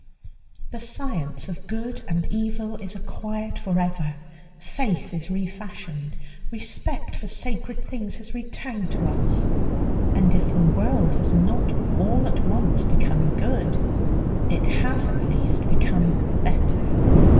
The science of good and evil is acquired forever; faith is refashioned, respect for sacred things has returned to us, and if the world has not all at once become good, it has at least become better.